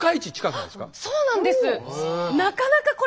そうなんです。